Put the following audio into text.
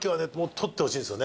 取ってほしいんですよね。